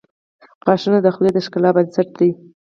• غاښونه د خولې د ښکلا بنسټ دي.